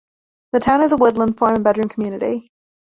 The town is a woodland, farm and bedroom community.